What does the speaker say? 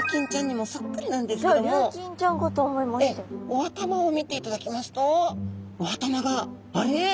お頭を見ていただきますとお頭があれ？